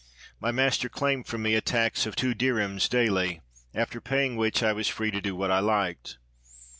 My master claimed from me a tax of two dirhems daily, after paying which I was free to do what I liked.